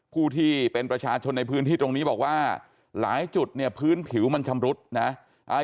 ผู้ที่เป็นประชาชนในพื้นที่ตรงนี้บอกว่าหลายจุดเนี่ยพื้นผิวมันชำรุดนะ